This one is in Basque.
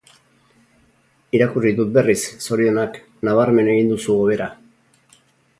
Irakurri dut berriz, zorionak, nabarmen egin duzu hobera.